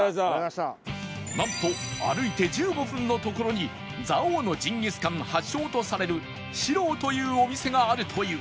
なんと歩いて１５分の所に蔵王のジンギスカン発祥とされるシローというお店があるという